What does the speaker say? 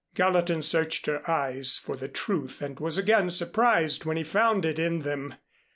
Gallatin searched her eyes for the truth and was again surprised when he found it in them.